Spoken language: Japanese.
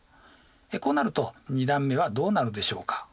こうなると２段目はどうなるでしょうか鈴木さん。